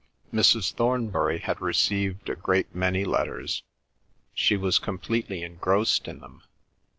Mrs. Thornbury had received a great many letters. She was completely engrossed in them.